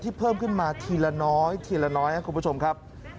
เพิ่มขึ้นมาทีละน้อยทีละน้อยครับคุณผู้ชมครับ